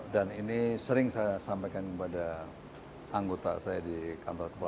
dan ini sering saya sampaikan kepada anggota saya di ksp